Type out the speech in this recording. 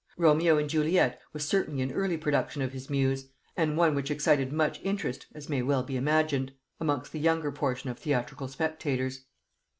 Romeo and Juliet was certainly an early production of his muse, and one which excited much interest, as may well be imagined, amongst the younger portion of theatrical spectators.